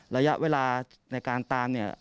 ระยะเวลาในการตามเนี่ย